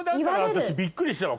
私びっくりしたわ。